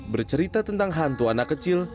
bercerita tentang hantu anak kecil